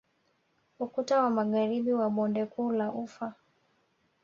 Ukuta wa magharibi wa bonde kuu la ufa